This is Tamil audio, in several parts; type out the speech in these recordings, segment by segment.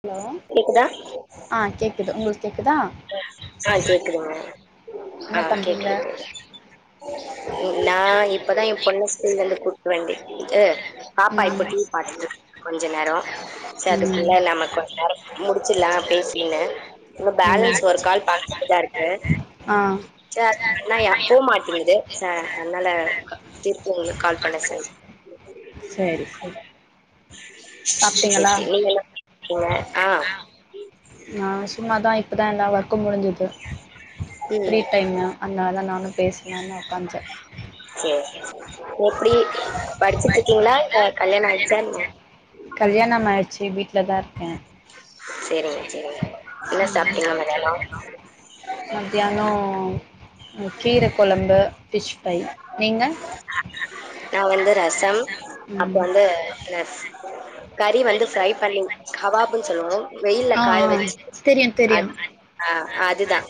ஹலோ கேக்குதா ஆ கேக்குது உங்களுக்கு கேக்குதா ஆ கேக்குதுங்க என்ன ஆ பண்றீங்க கேக்குது கேக்கு நா இப்பதா என் பொண்ண ஸ்கூல்ல இருந்து கூட்டு வந்து விட்டுட்டு பாப்பா ம் இப்போ டீவி பாத்துட்டு இருக்கு கொஞ்ச நேரோ சேரி ம் அதுக்குள்ள நம்ம முடிச்சிடலா பேசினுன்னு இன்னு ம் பேலன்ஸ் ஒரு கால் பண்ணது தா இருக்கு ஆ சேட் பண்ணயா போ மாட்டேங்குது ச அதனால திருப்பி உங்களுக்கு கால் பண்ண சொல் சேரி சேரி சேரி சாப்ட்டீங்களா சேரி நீங்க என்ன பண்ணிட்டு இருக்கீங்க ஆ நா சும்மாதா இப்பதா எல்லா ஒர்க்கு முடிஞ்சுது ஃப்ரீ ம் டைம் அத்னால்தா நானு பேசலாம்னு ஒக்காந்தே சேரி சேரி எப்டி படிச்சிட்டு இருக்கீங்ளா ஆ கல்யாணோ ஆயிட்சா கல்யாணம் ஆயிடுச்சி வீட்ல தான் இருக்கே சேரிங்க சேரிங்க என்ன சாப்டீங்க மதியானோ கீரக் கொழம்பு ஃபிஷ் ஃப்ரை நீங்க நா வந்து ரசம் அப்போ ம் வந்து கறி வந்து ஃப்ரை பண்ணி கவாப்புன்னு சொல்லுவோ வெயில்ல ஆ காய ஆ வெச்சி தெரியு தெரியு அத் ஆ அதுதா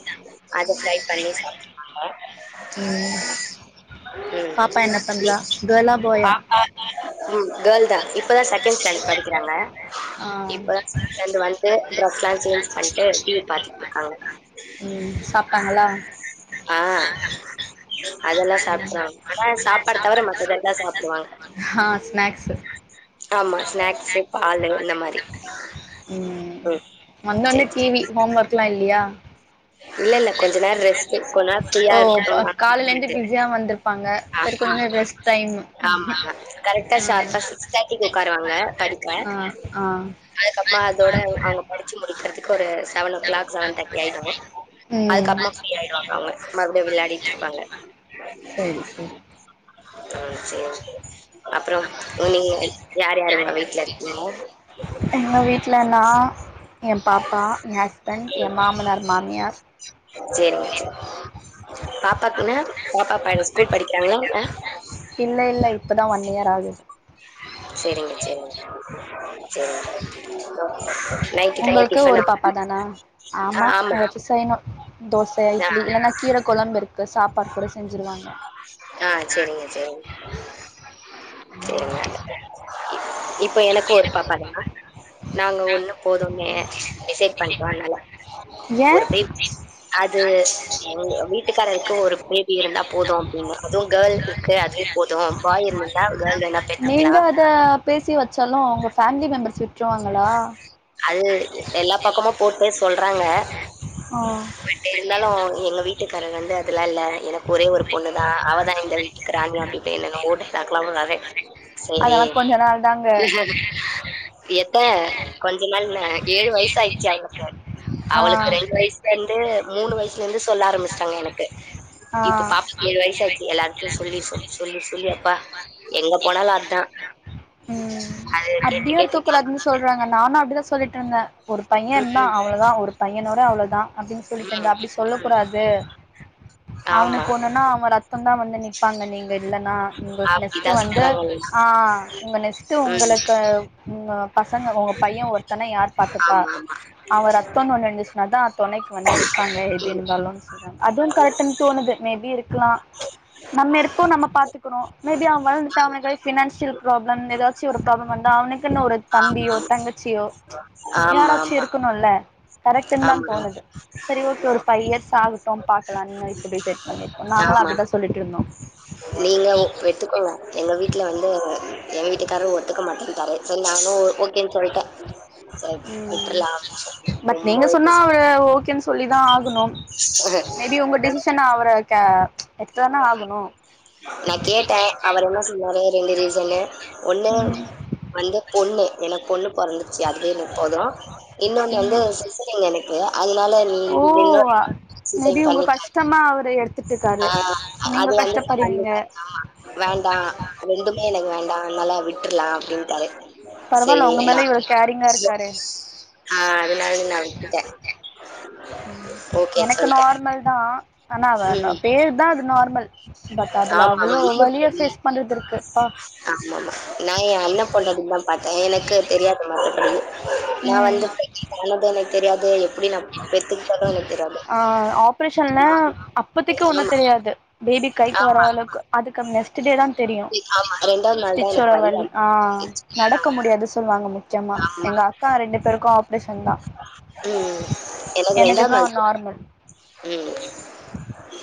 அத ஃப்ரை பண்ணி சாப்டோ நாங்க ம் ம் பாப்பா என்ன நீ பண்றா கேர்ளா பாயா பாப்பா ம் கேர்ள் தா இப்பதா செகண்ட் ஸ்டாண்டர்ட் படிக்கிறாங்க ஆ இப்பதா லந்து வந்து ட்ரெஸ் எல்லா சேஞ்ச் பண்ணிட்டு டி வி பாத்துட்டு இருக்காங்க ம் சாப்டாங்ளா ஆ அதெல்லா சாப்ட்ருவாங்க ஆனா சாப்பாடு தவிர மத்ததெல்லா சாப்டுவாங்க அ ஸ்னாக்ஸ் ஆமா ஸ்நாக்ஸு பாலு இந்த மாரி ம் வந்தோட்ன சேரி டி சேரி வி ஹோம் ஒர்க்லா இல்லையா இல்ல இல்ல கொஞ்ச நேரோ ரெஸ்ட் கொஞ்ச நேரோ ஃப்ரீயா இருக்கட்டும்னு [inaudible] விட்டே சியா வந்திருப்பாங்க சரி கொஞ்ச நேரோ ரெஸ்ட் டைமு ஆமாங்க கரெக்டா ஷார்ப்பா சிக்ஸ் தேட்டிக்கு உட்காருவாங்க படிக்க ஆ அதுக்கப்மா அதோட அவுங்க படிச்சி முடிக்கிறதுக்கு ஒரு seven o'clock seven thirty ஆயிடு ம் அதுக்கப்றமா ஃப்ரீ ஆயிடுவாங்க அவங்க மறுபடியு விளையாடிட்டு இருப்பாங்க சரி சரி ம் சேந்துட்டு அப் அப்பறம் ம் நீங்க யார் யாருங்க வீட்ல இருக்கிங்க எங்க வீட்ல நா எயே பாப்பா எயே ஹஸ்பண்ட் எயே மாமனார் மாமியார் சேரிங்க சேரி பாப்பாக்கு என்ன பாப்பா இப்ப ஏன் ஸ்கூல் படிக்கிறாங்ளா என்ன இல்ல இல்ல இப்பதா ஒன் இயர் ஆகுது சேரிங்க சேரிங்க சேரிங்க ஒகே உங்களுக்கு ஒரு பாப்பா தானா ஆமா இப்ப செய்னு தோச ஆ இட்லி இல்லன்னா கீர கொழம்பு இருக்கு சாப்பாடு கூட செஞ்சிருவாங்க சேரிங்க ம் இப் இப்ப எனக் உங்களுக்கு ஒரு பாப்பா தானா நாங்க ஒன்னு போதும்னே டிசைட் பண்டே அதனால ஏ ஒரு பேப் அது எங்க வீட்டுக்காரர் இப்போ ஒரு பேபி இருந்தா போது அப்டின்னு அதுவு கேர்ள் இருக்கு அதுவே போது பாய் இருந்து இருந்தா கேர்ள் வேணா பெத் நீங்க அது பேசி வெச்சாலு உங்க ஃபேமிலி மெம்பர்ஸ் வி அது எல்லா பக்கமு போட்டு போய் சொல்றாங்க ஆ இருந்தாலு எங்க வீட்டுக்காரர் வந்து அதெல்லா இல்ல எனக்கு ஒரே ஒரு பொண்ணு தா அவதா இந்த வீட்டு ராணி அப்டி இப்டின்னு என்னென்னவோ டயலாக்லா உட்றாரு அதெல்லா கொஞ்ச நாள் தாங்க தா கொஞ்ச நாள் என்ன ஏழு வயசு ஆயிடுச்சி அவளுக்கு ஆ அவளுக்கு ரெண்டு வயசு ரெண்டு மூணு வயசுல இருந்து சொல்ல ஆரம்மிச்சிட்டாங்க எனக்கு ஆ இப்ப பாப்பாக்கு ஏழு வயசு ஆச்சு எல்லாருக்கு சொல்லி சொல்லி சொல்லி சொல்லி அப்பா எங்க போனாலு அத்தா ம் அது கேட்டு அப்டியு இருக்க கேட்டு [unintelligible] கூடாதுன்னு சொல்றாங்க நானு அப்டிதா சொல்லிட்ருந்தே ஒரு ம் பையன் தா அவள தா ஒரு பையனோட அவளோ தா அப்டின்னு ம் சொல்லிட்ருந்தே ம் அப்படி சொல்ல ம் கூடாது ஆமா அவனுக்கு ஒண்ணுன்னா அவ ரத்தம் தா வந்து நிப்பாங்க நீங்க இல்லன்னா உங்களுக்கு நெஸ்ட் அப்படிதான் வந்து சொல்றாங்க எல்லாம் ஆ உங்க நெஸ்ட் உங்களுக்கு உங்க பசங்க உங்க பையே ஒருத்தன யார் பாத்துப்பா ம் அவ ரத்தோனு ஒன்னு இருந்துச்சுன்னா தா துணைக்கு வந்து நிப்பாங்க ப்டிஇருந்தாலுன் சொல்றாங்க அதுவு கரெக்டுனு தோணுது மே பி இருக்கலா நம்ம இருக்கோ நம்ம பாத்துக்கறோ மேபி அவ வளந் இப்ப அவனுக்கு ஃபினான்சியல் ப்ராப்ளம் ஏதாச்சு ஒரு ப்ராப்ளம் வந்தா அவனுக்குனு ஒரு தம்பியோ தங்கச்சியோ ஆமா ஆமா யாராச்சு ஆமா இருக்கணுல கரெக்டுனு தா ஆமா தோணுது சரி ஓகே ஒரு ஃபைவ் இயர்ஸ் ஆகட்டு பாக்கலானுதா இப்போ டிசைட் பண்ணிருக்கோ நாங்களு அதே தா சொல்லிட்ருந்தோ நீங்க வெத்துக்கோங்க எங்க வீட்டுல வந்து எங்க எ வீட்டுக்காரர் ஒத்துக்க மாட்டேன்டாரு சோ நானு ஓகேனு சொல்ட்டே உ பட் ரொம்ப நீங்க இது சொன்னா அவரு ஓகேன்னு சொல்லிதா ஆகணு இது ஷனா அவரு க எடுத்து தான ஆகணு நா கேட்டே அவரு என்ன சொன்னாரு ரெண்டு ரீசன்னு ஒண்ணு ம் வந்து பொண்ணு எனக்கு பொண்ணு பொறந்துருச்சு அதுவே எனக் போது இன்னொன்னு வந்து ம் சிசேரியன் எனக்கு அதனால நீ இன்னொரு சிசேரியன் பண்ணிக்கா சமா அவரு எடுத் ஆ அது வந்து பண்ணிக்கலா வேண்டா ரெண்டுமே எனக்கு வேண்டா அதனால விட்ரலா அப்டின்ட்டாரு பரவால்ல உங்க மேல இவ்வள கேரிங்கா இருகாரே ஆ அதனால நா விட்டுடே எனக்கு சொல்ட்டே நார்மல் தா ஆனா ம் பேரு தா அது நார்மல் பட் அதுல ஆமா அவளோ வலி வலிய இருக்குமே ஃபேஸ் பண்றது இருக்கு பா ஆமாமா நா எ அண்ணே [unintelligible] அடி தா பாத்தே எனக்கு தெரியாது மத்தபடி நா ம் வந்து [unintelligible] அண்ண பையனுக்கு தெரியாது எப்டி நான் பெத்துக்கிட்டது எனக்கு தெரியாது ஆ ஆப்ரேஷன்ல ஆமா அப்பத்திக் ஒண்ணு ஆமா தெரியாது பேபி கைக்கு வர ஆமா அளவுக்கு அதுக்கு நெக்ஸ்ட் டே தா தெரியு நாள் தான் ஸ்டிச் எனக்கு ஓட வலி ஆ ஆரம்பிச்சுச்சு நடக்க முடியாது சொல்வாங்க முக்யமா ஆமா எங்க அக்கா ரெண்டு பேருக்கு ஆப்ரேஷன் தா ம் எனக்கு எனக்குதா நாள் நார்மல்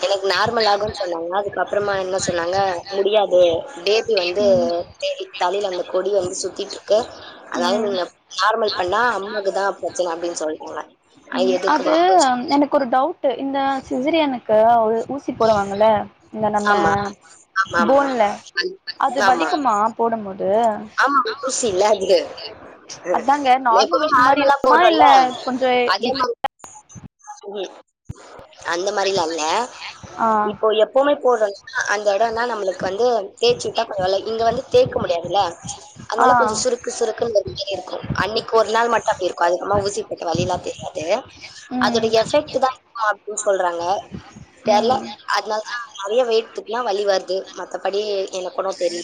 எனக் நார்மல் ஆகும்ன்னு சொன்னாங்க அதுகப்றமா என்ன சொன்னாங்க முடியாது பேபி வந்து ம் தேடி தலைல அந்த கொடி வந்து சுத்திட்ருக்கு உ நார்மல் பண்ணா அம்மாகுதா பிரச்சன அப்டின்னு சொல்ட்டாங்க உ அ எதுக்கு அது வம்பு? எனக்கு ஒரு டவுட்டு இந்த சிசேரியனுக்கு உள் ஊசி ஊசிபோடுவாங்கல இந்த நம்ம ஆமா, ஆமாமா. போன்ல அந் அது ஆமா. வலிக்குமா போடும்போது ஆமா ஊசி இல்ல அது அதாங்க நார்மல் எப்பமே ஊசி மாரி நார்மலா இருக்குமா இல்ல போட்றோல்ல கொஞ்சோ அதே டிஃப் மாரி ம் அந்த மாரிலா இல்ல ஆ இப்போ எப் பொமை போறன்னா அந்த எடோதா நம்மளுக்கு வந்து தேய்ச்சிட்டா கொஞ்சவலை இங்க வந்து தேய்க முடியாதுல்ல ஆ அனால கொஞ்ச சுருக் சுருக்குன் பந்தினே இருக்கு அன்னிக் ஒரு நாள் மட்டு அப்டி இருக்கு அதிகமா ஊசிபேட்ட வலிலா தெரியாது அதோட ம் எஃபெக்ட்தா இருக்கு அப்டின் சொல்றாங்க தெர்ல ம் அதனாலதா நெறைய வெய்ட் தூக்னா வலி வருது மத்தபடி எனக் ஒன்னு தெரில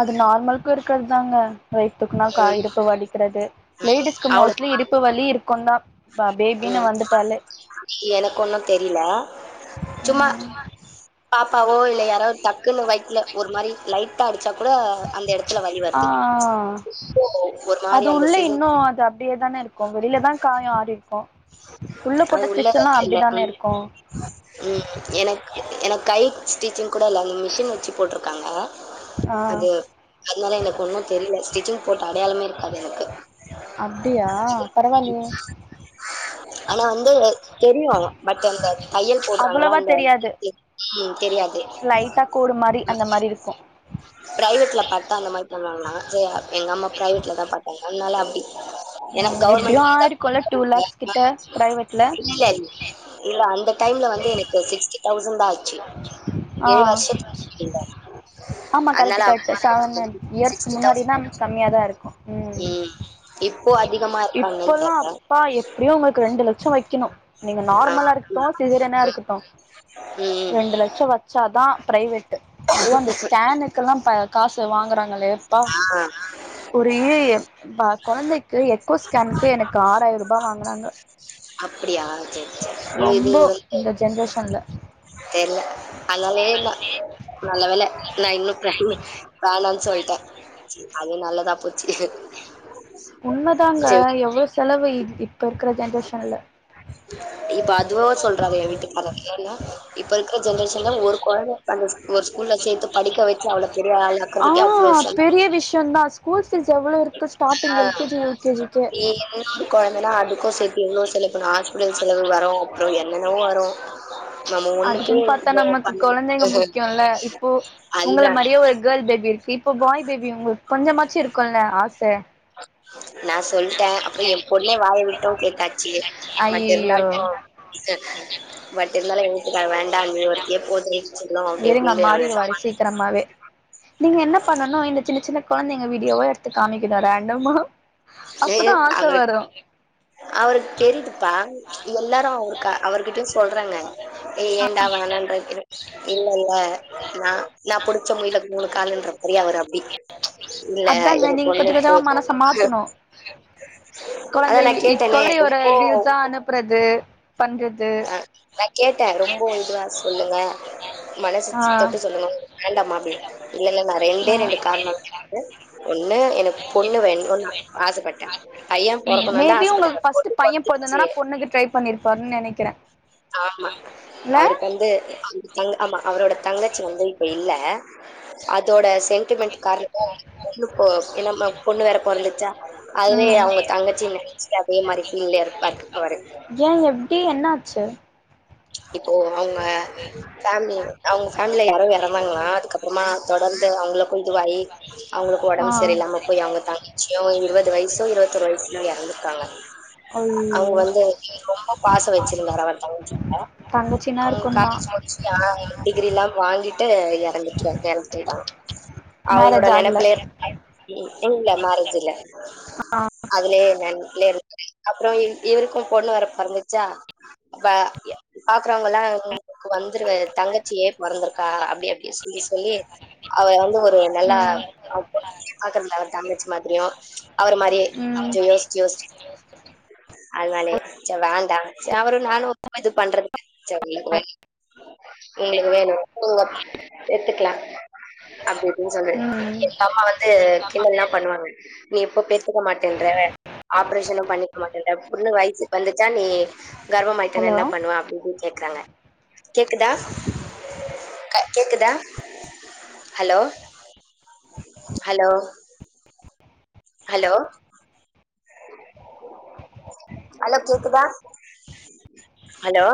அது நார்மலுக்கு இருக்கர்தாங்க ரை துக்குனாகா ம் இடுப்பு வலிக்கிறது லேடிஸ்க்கு அவ்ளோ மோஸ்ட்லி இடுப்பு வலி இருக்குதா ம் எனக்கொன்னு தெரியல சும்மா ம் பாப்பாவோ இல்ல யாரோ ஒரு டக்ன்னு வயித்ல ஒரு மாரி லைட்டா அடிச்சா கூட அந்த எடத்துல வலி ஆ வருது இப்போ ஒரு மாரி அந்த சீசன் ப்டியே தான இருக்கு வெளியில தா காயோ ஆறிருக்கு உல்ல அது போட்ட உள்ள ஸ்ட்ரிச்சி எல்லா வச்சல அப்டிதானே ம் இருக்கு ம் எனக்கு எனக்கு கை ஸ்டிச்சிங் கூட இல்ல அந்த மிஷின் வச்சி போட்ருகாங்க ஆ அது அதனால எனக்கு ஒன்னு தெரியல ஸ்டிச்சிங் போட்ட அடையாளமே இருகாது எனக்கு அப்டியா பரவால்லயே ஆனா வந்து தெரியு பட் அந்த தையல் போடறாங்கல்ல அவ்வளவா அந்த தெரியாது ஊசி தெரியாது லைட்டா கோடு மாரி அந்த மாரி இருக்கு பிரைவெட்ல பாத்தா அந்த மாரி பண்ணுவாங்களா சே எங்க அம்மா பிரைவெட்லதா பாத்தாங்க அனால அப்டி எனக் கவர்மெண்ட்லீதா கொலடூல் [unintelligible] இல்லல் இல்ல அந்த டைம்ல வந்து எனக் சிக்ஸ்டி தௌசண் தா ஆச்சி ஆ ஏழு வருஷத்து [unintelligible] ஆமா அனால கரெக்ட் கரெக்ட் அவளவா செவன் ஆயிரிச்சி இயர்ஸ்க்கு சிக்ஸ்டி முன்னாடினா தெளசன் ஆயிரிச்சி கம்மியா தா இருக்கு ம் இப்போ அதிகமா இருக்கா என்னென் தெர்ல ப்பா எப்பிடியு உங்ளுக்கு ரெண்டு லட்சோ வைக்கணு நீங்க ஆ நார்மலா இருகட்டு சீசரியனா இருகட்டு ம் ரெண்டு லட்சோ வ ச்சாதா ப்ரைவெட்டு அதுவு அந்த ஸ்கேனுக்கெல்லா ப காசு வாங்குறாங்களே ப்பா ஆ ஒரி ப கொழந்தைக்கு எத் ப்பு ஸ்கேனுக்கு எனக்கு ஆறாயிரூபா வாங்கனாங்க அப்பிடியா சேரி சேரி இது ரொம்ப வந்து இந்த ஜென்ரேஷன்ல [unintelligible] தெர்ல அல்லலே இல்ல நல்ல வேல நா இன்னு ப்ரெக்னெ வேணான் சொல்ட்டே அது நல்லதா போச்சி உண்மதாங்க எவ்ளோ செலவு இப்ப இருக்கிற ஜென்ரேஷன்ல இப்ப அதுவாவ சொல்றாறே ஏ வீட்டுகாரர் ஏன்னா இப்ப இருக்க ஜென்ரேஷன்ல ஒரு கொழந்த சந்தோ ஒரு ஸ்கூல்ல சேத்து படிக்க வச்சி அவள பெரிய ஆளா ஆ ஆக்கறதுக்கே அவ்ளோ செல் பெரிய விஷ்யந்தா ஸ்கூல் பீஸ் எவ் ஆ இ இன்னொரு கொழந்தனா அதுக்கு சேத் த்தி இன்னு செலபண்ணா ஹாஸ்பிட்டல் செலவு வரு அப்புறோ என்னென்னவோ வரு நம்ம ஒண்ணுக்கே அதுக்குன் பாத்தா இவ்ளோ நமக்கு பண் கொழந்தைங்க முக்கியோல்ல இப்போ உங்கள அதுதா மாரியே ஒரு கேள் பேபி இருக் இப்ப பாய் பேபி உங்களுக் கொஞ்சமாச்சி இருக்குல்ல ஆச ஆ நா சொல்ட்டே அப்புறோ ஏ பொண்ணே வாய்விட்டு கேட்டாச்சி மட் ஐயையோ இருந்தாலு இல்ல பட் இருந்தாலு எங்கவீட்டுகார் வேண்டா நீ ஒருத்தீயே போதுடி சொல்லி அப்டி இப்டின்டு அவரு சமாளி பத்ரமாவே நீங்க என்ன பண்ணணு இந்த சின்ன சின்ன கொழந்தைங்க வீடியோவா எடுத்து காமிக்குணு ரேண்டமா அப்பதா ஆச வரு அவுருக்கு தெரியுதுப்பா எல்லாரு அவுரு அவர்கிட்ட சொல்றாங்க ஏ ஏன்டா வேண்டான்ற இல்லெல்ல ந நா புடிச்ச முயலுக்கு மூணு காலுன்ற மாரி அவுரு அப்டி இல்ல அதாங்க எனக்கு நீங்க கொஞ்ச ஒண்ணே கொஞ்சமா போது மனச மாத்தணு அதா நா கேட்டனே ரொம்போ அப்புறது பண்றத் அ நா கேட்டே ரொம்ப இதுவா சொல்லுங்க ஆ மனசாட்சி தொட்டு சொல்லுங்க வேண்டாமா அப்டி இல்ல இல்ல நா ஆ ரெண்டே ரெண்டு காரணோ இருக்கு ஒண்ணு எனக் எனக்கு பொண்ணு வேணு பைய பொறக்கணுந்தா மேபி ஃப்ர்ஸ்ட் ஆசப்பட்டே ஓங்களுக்கு ஃபர்ஸ்ட் பொண்ணு பைய பொறந்துருச்சு பொந்தனா பொண்ணுக்கு ட்ரை பண்ணிருப்பாருன்னு நெனைக்கிறே ஆமா அவுருக்கு இல்ல வந்து ஆமா அவுரோட தங்கச்சி வந்து இப்ப இல்ல அதோட சென் டிமென்ட் கார்ணோ ஏ நம்ம பொண்ணு வேற பொறந்துருச்சா அதுவே அவுங்க தங்கச்சினு நெனைச்சிட்டு அதே மாரி ஃபீல்ல இருப்பாரு அவுரு ஏ எப்டி என் என்னாச்சு இப்போ அவுங்க ஃபேமிலி அவுங்க ஃபேமிலில யாரோ எறந்தாங்ளா அதுக்கப்றோமா தொடர்ந்து அவுங்களுக்கு இதுவாயி அவுங்களுக்கு ஆ ஓடம்பு சரியில்லாம போய் அவுங்க தங்கிச்சியு இருவது வயசு இருத்தொரு வயசுலியே எறந்துட்டாங்க அவுங்க ஐயோ வந்து ரொம்ப பாசோ வச்சிருந்தாரா அவர் தங்கச்சி கா தங்கச்சினா அவுங்க இருக்குந்தா காலேஜ் நோட்ஸ் டிகிரில்லா வாங்கிட்டு எறந்துட்டு எறந்து போய்ட்டாங்க அவுங்களோட மேரேஜ் ஆகல நெனைப்புள்ளே இல்ல மரேஜ் இல்ல ஆ அதுலே நெனப்புல இருந்தாரு அப்றோ இவருக்கு பொண்ணு வேற பொறந்துச்சா அப்ப பாக்குறவங்கெல்லா உங்களுக்கு வந்துரு தங்கச்சியே பொறந்திருக்கா அப்டி அப்டி எஸ் எஸ் சொல்லி அவ வந்து ஒரு நல்லா ம் [unintelligible] தங்கச்சி மாதிரியு அவுர மாரியே ம் கொஞ்சோ யோசிச்சு யோசிச்சு அதனாலே சேர் வேண்டா சேர் அவரு நானு இது பண்றது சேரி எங்களுக்கு வேணு உங்க எத்துக்குலா அப்டி இப்டினு சொல்லி ம் எங்க அம்மா வந்து கிண்டல்லா பண்ணுவாங்க நீ இப்ப பெத்துக்க மாட்டேன்ற ஆப்ரேஷனு பண்ணிக்க மாட்டேன்ற பொண்ணு வயசுக்கு வந்துச்சா நீ கர்ப மாயிட்டனா ஹலோ என்ன பண்ணுவ அப்டி இப்டினு கேக்குறாங்க கேக்குதா கேக்குதா ஹலோ ஹலோ ஹலோ ஹலோ கேக்குதா ஹலோ